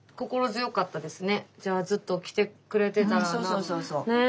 そうそうそうそう。